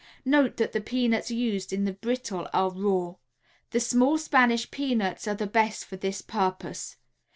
Note that the peanuts used in the brittle are raw. The small Spanish peanuts are the best for this purpose.